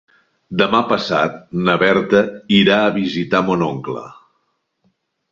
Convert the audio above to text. Demà passat na Berta irà a visitar mon oncle.